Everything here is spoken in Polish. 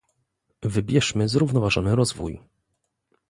"wybierzmy zrównoważony rozwój"